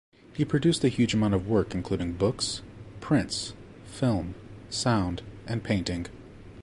He produced a huge amount of work including books, prints, film, sound, and painting.